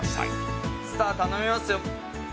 スター頼みますよ。